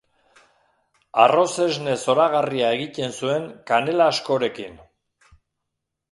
Arroz-esne zoragarria egiten zuen kanela askorekin.